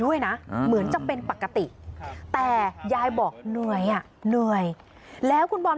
ไม่อยากให้แม่เป็นอะไรไปแล้วนอนร้องไห้แท่ทุกคืน